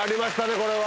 これは。